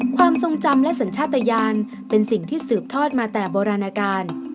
ความทรงจำและสัญชาติยานเป็นสิ่งที่สืบทอดมาแต่โบราณการ